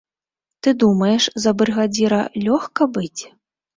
Ты думаеш, за брыгадзіра лёгка быць?